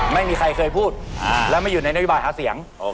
ไม่เคยพูดและไม่อยู่ในนโยบายหาเสียง